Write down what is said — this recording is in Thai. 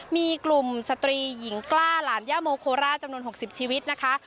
มีกลุ่มสตรีหญิงกล้าหลานย่าโมโคราชจำนวน๖๐ชีวิตนะคะ